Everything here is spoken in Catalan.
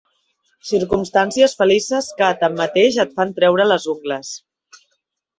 Circumstàncies felices que, tanmateix, et fan treure les ungles.